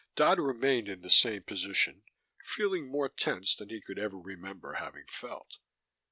Dodd remained in the same position, feeling more tense than he could ever remember having felt.